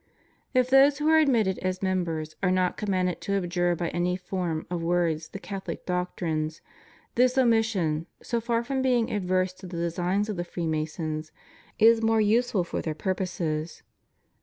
If those who are admitted as members are not com manded to abjure by any form of words the Catholic doctrines, this omission, so far from being adverse to the designs of the Freemasons, is more useful for their pur poses.